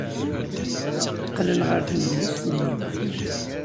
Qqlen ɣer tnedlist-nni.